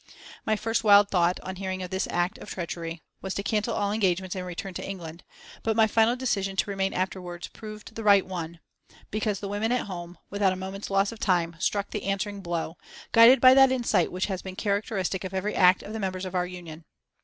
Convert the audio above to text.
My first wild thought, on hearing of this act of treachery, was to cancel all engagements and return to England, but my final decision to remain afterwards proved the right one, because the women at home, without a moment's loss of time, struck the answering blow, guided by that insight which has been characteristic of every act of the members of our Union.